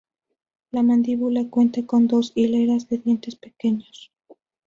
La mandíbula cuenta con dos hileras de dientes pequeños.